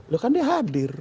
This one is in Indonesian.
loh kan dia hadir